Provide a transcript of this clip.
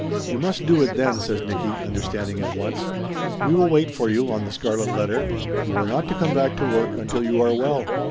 "You must do it, then," says Nicky, understanding at once. "We will wait for you, on The Scarlet Let ter. You are not to come back to work until you are well."